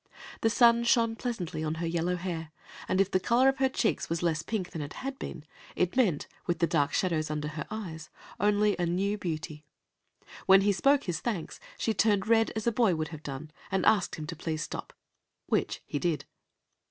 The sun shone pleasantly on her yellow hair, and if the color in her cheeks was less pink than it had been, it meant, with the dark shadows under her eyes, only new beauty. When he spoke his thanks, she turned red as a boy would have done, and asked him please to stop, which he did.